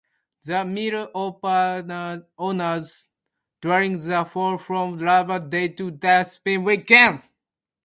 The mill operates during the fall from Labor Day to Thanksgiving weekend.